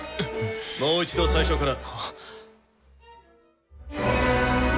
もう一度最初から。